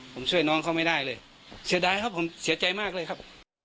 ผมช่วยน้องเขาไม่ได้เลยเสียดายครับผมเสียใจมากเลยครับ